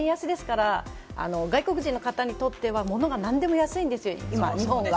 円安ですから外国人の方にとっては物が何でも安いんですよ、今、日本が。